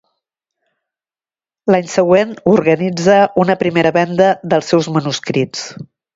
L'any següent organitza una primera venda dels seus manuscrits.